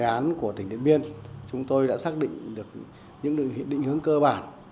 đề án của tỉnh điện biên chúng tôi đã xác định được những định hướng cơ bản